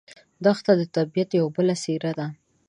دښته د طبیعت یوه بله څېره ده.